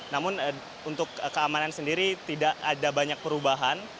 namun untuk keamanan sendiri tidak ada banyak perubahan